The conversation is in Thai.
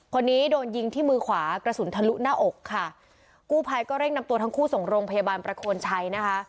คนนี้โดนยิงที่มือขวากระสุนทะลุหน้าอกค่ะกู้ภัยก็เร่งนำตัวทั้งคู่ส่งโรงพยาบาลประโคนชัยนะคะ